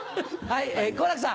はい。